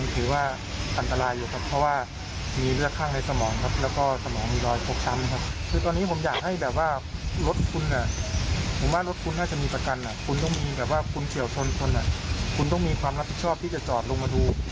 คุณต้องมีความรับผิดชอบที่จะจอดลงมาดู